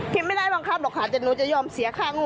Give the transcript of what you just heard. พี่ท่อนอำบุญใบพี่จริงจริง